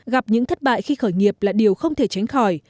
gặp những thất bại khi khởi nghiệp là điều không thể tránh khỏi